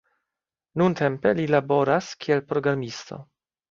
Nuntempe li laboras kiel programisto.